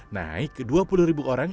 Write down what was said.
naik ke dua puluh ribu orang